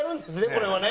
これはね。